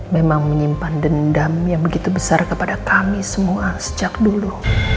memang menyimpan dendam yang begitu besar kepada kami semua sejak dulu